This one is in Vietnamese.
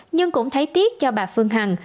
nhưng cũng thấy tiếc cho bà phương hằng